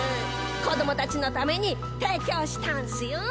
子供たちのために提供したんすよ。